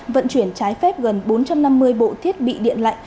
vận chuyển trái phép gần bốn trăm năm mươi bộ thiết bị điện lạnh